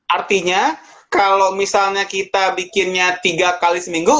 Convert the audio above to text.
artinya kalau misalnya kita bikinnya tiga kali seminggu